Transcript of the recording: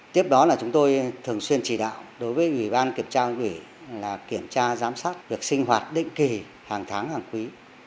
tiếp đó là chúng tôi thường xuyên chỉ đạo đối với ủy ban kiểm tra ủy là kiểm tra giám sát việc sinh hoạt định kỳ hàng tháng hàng quý